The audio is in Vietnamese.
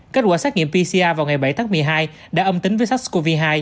kết quả xét nghiệm pcr vào ngày bảy tháng một mươi hai đã âm tính với sars cov hai